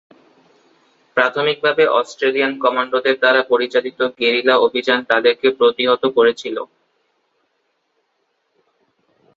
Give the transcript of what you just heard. প্রাথমিকভাবে অস্ট্রেলিয়ান কমান্ডোদের দ্বারা পরিচালিত গেরিলা অভিযান তাদেরকে প্রতিহত করেছিল।